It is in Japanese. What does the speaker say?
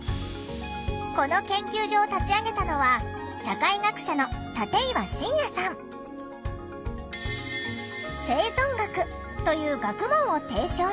この研究所を立ち上げたのは「生存学」という学問を提唱した。